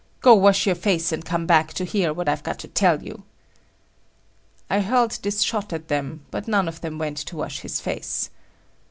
Go, wash your face and come back to hear what I've got to tell you." I hurled this shot at them, but none of them went to wash his face.